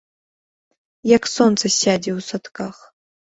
Як сонца сядзе ў садках.